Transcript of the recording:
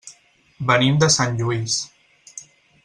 Venim de Sant Lluís.